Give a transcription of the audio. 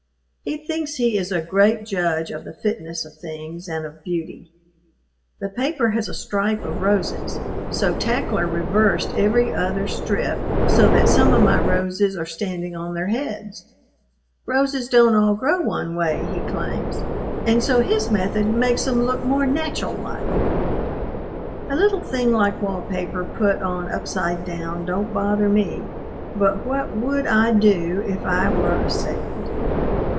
He thinks he is a great judge of the fitness of things and of beauty. The paper has a stripe of roses, so Tackler reversed every other strip so that some of my roses are standing on their heads. Roses don't all grow one way, he claims, and so his method "makes 'em look more nachul like." A little thing like wall paper put on upside down don't bother me; but what would I do if I were a "second"?